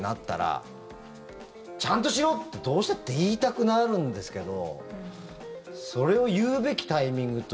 どうしたって言いたくなるんですけどそれを言うべきタイミングと。